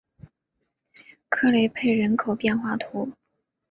克雷佩人口变化图示